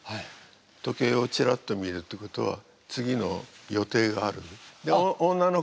時計をチラッと見るってことは次の予定がある。